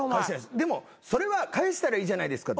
でもそれは返したらいいじゃないですかって